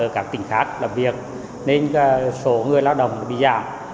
các tỉnh khác làm việc nên số người lao động bị giảm